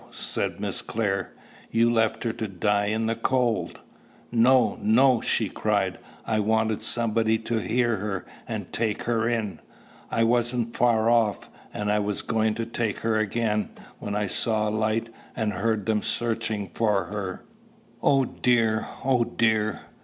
said Miss Clare: "you left her to die in the cold." "No, no!" she cried. "I wanted somebody to hear her, and take her in. I wasn't far off, and was just going to take her again, when I saw a light, and heard them searching for her. Oh, dear! Oh, dear!"